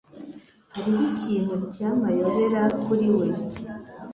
Hariho ikintu cyamayobera kuri we.